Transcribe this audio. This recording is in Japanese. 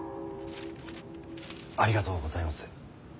ありがとうございます。